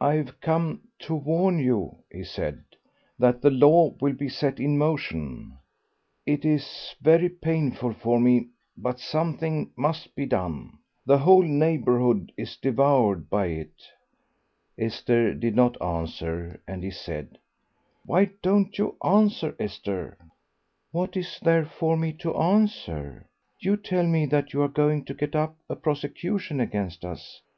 "I've come to warn you," he said, "that the law will be set in motion.... It is very painful for me, but something must be done. The whole neighbourhood is devoured by it." Esther did not answer, and he said, "Why don't you answer, Esther?" "What is there for me to answer? You tell me that you are going to get up a prosecution against us.